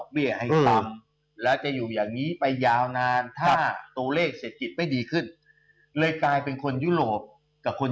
พี่หันมาซื้อทองคำ